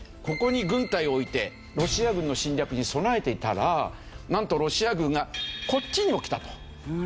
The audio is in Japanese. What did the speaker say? ここに軍隊を置いてロシア軍の侵略に備えていたらなんとロシア軍がこっちにも来たと。